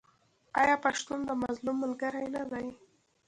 آیا پښتون د مظلوم ملګری نه دی؟